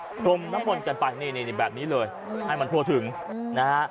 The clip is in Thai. พรมน้ำมนต์กันไปนี่แบบนี้เลยให้มันทั่วถึงนะฮะ